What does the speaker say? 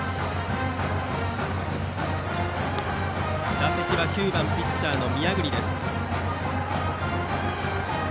打席は９番ピッチャーの宮國。